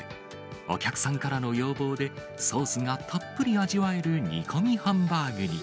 お客さんからの要望で、ソースがたっぷり味わえる煮込みハンバーグに。